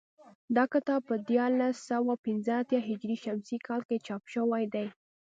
دا کتاب په دیارلس سوه پنځه اتیا هجري شمسي کال کې چاپ شوی دی